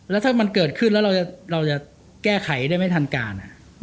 แล้วถ้ามันเกิดขึ้นแล้วเราจะแก้ไขได้ไม่ทันการ